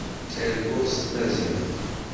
Ttarguɣ s tmaziɣt.